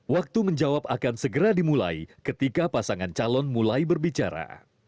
waktu menjawab akan segera dimulai ketika pasangan calon mulai berbicara